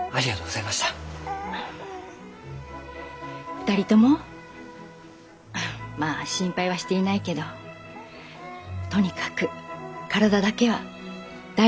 ２人ともフッまあ心配はしていないけどとにかく体だけは大事になさいね。